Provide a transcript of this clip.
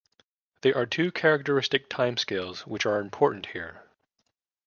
There are two characteristic timescales which are important here.